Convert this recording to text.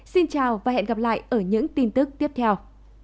xin chào và hẹn gặp lại ở những tin tức tiếp theo